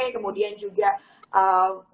kemudian juga bagaimana memastikan